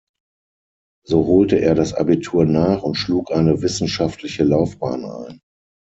So holte er das Abitur nach und schlug eine wissenschaftliche Laufbahn ein.